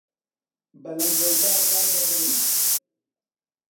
بەلەنجەولار ڕادەبرن